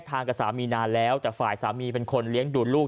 ทางกับสามีนานแล้วแต่ฝ่ายสามีเป็นคนเลี้ยงดูลูก